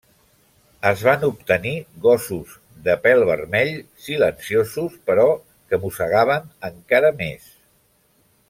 Es van obtenir gossos de pèl vermell, silenciosos però que mossegaven encara més.